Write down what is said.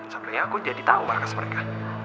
sebenernya aku jadi tau markas mereka